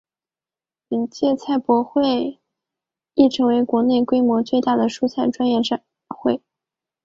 本届菜博会亦成为国内规模最大的蔬菜专业展会。